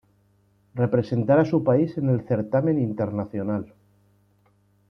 Representara a su país en el certamen internacional.